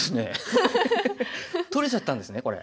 取れちゃったんですねこれ。